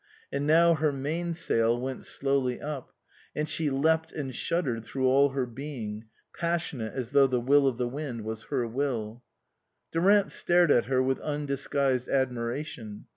And now 150 OUTWARD BOUND her main sail went slowly up, and she leapt and shuddered through all her being, passionate as though the will of the wind was her will. Durant stared at her with undisguised ad miration.